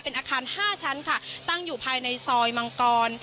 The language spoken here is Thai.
เป็นอาคาร๕ชั้นค่ะตั้งอยู่ภายในซอยมังกร